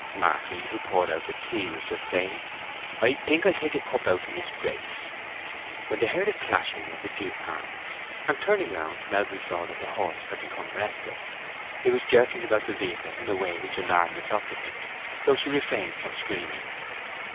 Marty, who poured out tea, was just saying, "I think I'll take out a cup to Miss Grace," when they heard a clashing of the gig harness, and turning round Melbury saw that the horse had become restless, and was jerking about the vehicle in a way which alarmed its occupant, though she refrained from screaming.